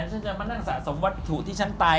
ฉันจะมานั่งสะสมวัตถุที่ฉันตาย